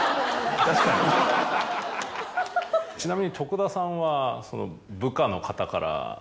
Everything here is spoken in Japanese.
ちなみに徳田さんは。